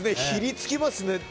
ひりつきますね。